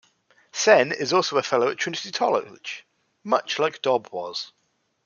Sen is also a fellow at Trinity College, much like Dobb was.